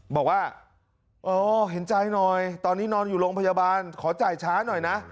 บอกว่าเออเห็นใจหน่อยตอนนี้นอนอยู่โรงพยาบาลขอจ่ายช้าหน่อยนะ